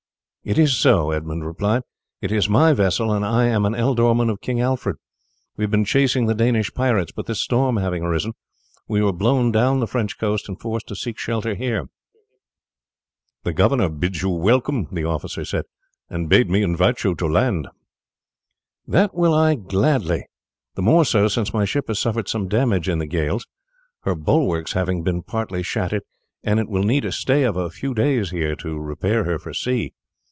"It is so," Edmund replied; "it is my vessel, and I am an ealdorman of King Alfred. We have been chasing the Danish pirates, but this storm having arisen, we were blown down the French coast and forced to seek shelter here." "The governor bids you welcome," the officer said, "and bade me invite you to land." "That will I gladly; the more so since my ship has suffered some damage in the gale, her bulwarks having been partly shattered; and it will need a stay of a few days here to repair her for sea.